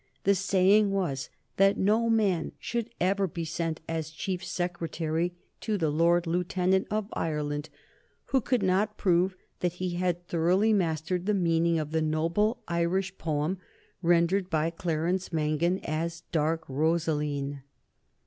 The saying was that no man should ever be sent as Chief Secretary to the Lord Lieutenant of Ireland who could not prove that he had thoroughly mastered the meaning of the noble Irish poem rendered by Clarence Mangan as "Dark Rosaleen."